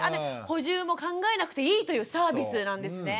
補充も考えなくていいというサービスなんですね。